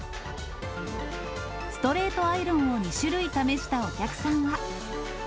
ストレートアイロンを２種類試したお客さんは。